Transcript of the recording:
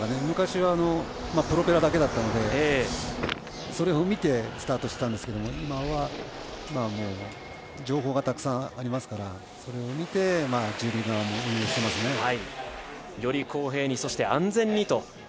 昔はプロペラだけだったのでそれを見てスタートしてたんですけど、今は、もう情報がたくさんありますから、それを見て、ジュリー側も運営していますね。